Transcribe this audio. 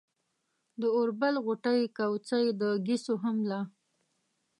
د اوربل غوټې، کوڅۍ، د ګيسو هم لا